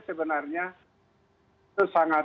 sebenarnya itu sangat